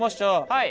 はい。